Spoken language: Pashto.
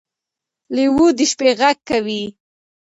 لیوه د شپې غږ کوي.